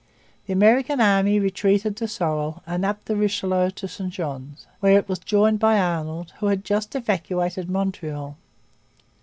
The American army retreated to Sorel and up the Richelieu to St Johns, where it was joined by Arnold, who had just evacuated Montreal.